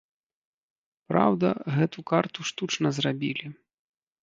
Праўда, гэту карту штучна зрабілі.